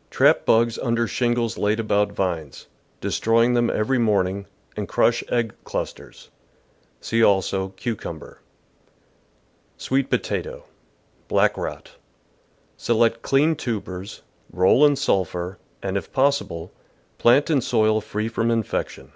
— Trap bugs under shingles laid about vines, destroying them every morning, and crush egg clusters. See, also. Cucumber. Sweet Potato. — Black Rot. — Select clean tubers, roll in sulphur, and, if possible, plant in soil free from infection.